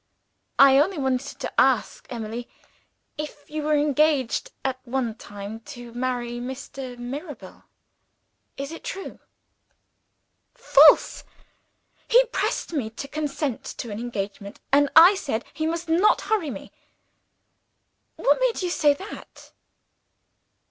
"I only wanted to ask, Emily, if you were engaged at one time to marry Mr. Mirabel. Is it true?" "False! He pressed me to consent to an engagement and I said he must not hurry me." "What made you say that?"